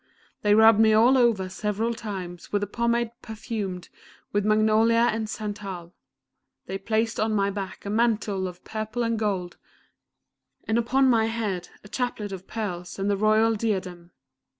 They rubbed me all over several times with a pomade perfumed with magnolia and santal; they placed on my back a mantle of purple and gold, and upon my head a chaplet of pearls and the royal diadem.